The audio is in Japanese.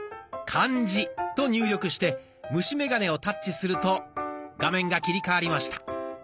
「漢字」と入力して虫眼鏡をタッチすると画面が切り替わりました。